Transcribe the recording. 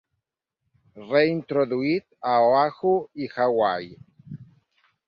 Reintroduït a Oahu i Hawaii.